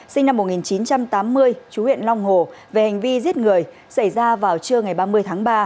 sinh năm một nghìn chín trăm tám mươi chú huyện long hồ về hành vi giết người xảy ra vào trưa ngày ba mươi tháng ba